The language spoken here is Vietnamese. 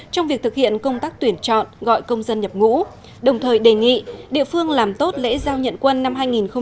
trong việc thực hiện công tác tuyển chọn gọi công dân nhập ngũ đồng thời đề nghị địa phương làm tốt lễ giao nhận quân năm hai nghìn hai mươi